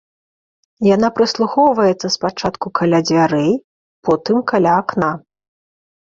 Яна прыслухоўваецца спачатку каля дзвярэй, потым каля акна.